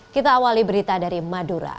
kita awali berita dari madura